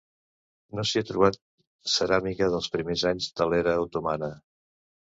No s'hi ha trobat ceràmica dels primers anys de l'era otomana.